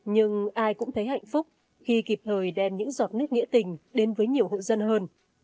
nhưng ai cũng thấy hạnh phúc khi kịp thời đem những giọt nước nghĩa tình đến với nhiều hộ dân hơn